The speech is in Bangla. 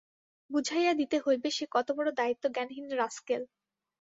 বুঝাইয়া দিতে হইবে সে কতবড় দায়িত্বজ্ঞানহীন রাস্কেল।